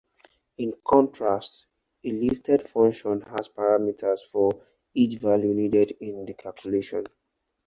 In contrast a lifted function has parameters for each value needed in the calculation.